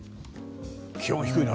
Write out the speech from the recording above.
気温低いな。